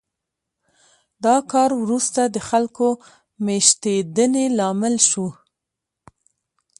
دا کار وروسته د خلکو د مېشتېدنې لامل شو